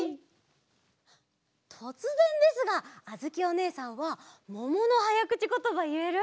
とつぜんですがあづきおねえさんはもものはやくちことばいえる？